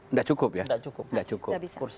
nggak cukup ya nggak cukup